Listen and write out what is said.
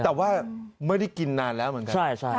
แต่ว่าไม่ได้กินนานแล้วเหมือนกัน